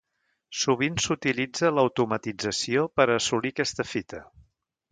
Sovint s'utilitza l'automatització per a assolir aquesta fita.